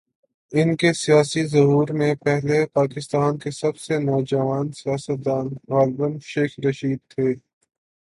ان کے سیاسی ظہور سے پہلے، پاکستان کے سب سے "نوجوان سیاست دان" غالبا شیخ رشید تھے۔